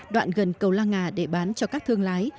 đoạn gần cầu la nga để bán cho các thương lái